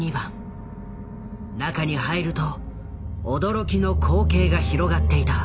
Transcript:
中に入ると驚きの光景が広がっていた。